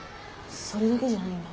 それだけじゃないんだ。